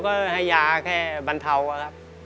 ต้องให้ยาขีมท์แค่บรรเทาะครับ